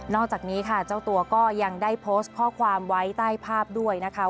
อกจากนี้ค่ะเจ้าตัวก็ยังได้โพสต์ข้อความไว้ใต้ภาพด้วยนะคะ